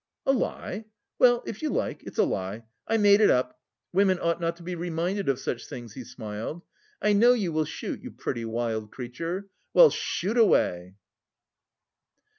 "A lie? Well, if you like, it's a lie. I made it up. Women ought not to be reminded of such things," he smiled. "I know you will shoot, you pretty wild creature. Well, shoot away!"